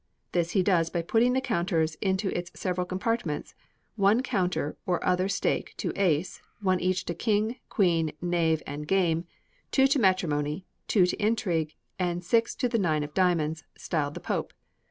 This he does by putting the counters into its several compartments one counter or other stake to Ace, one each to King, Queen, Knave, and Game; two to Matrimony, two to Intrigue, and six to the nine of diamonds, styled the Pope.